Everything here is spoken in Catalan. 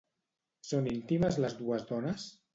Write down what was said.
Són íntimes les dues dones?